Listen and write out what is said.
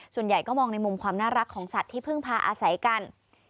ส่วนใหญ่ก็มองในมุมความน่ารักของสัตว์ที่เพิ่งพาอาศัยกัน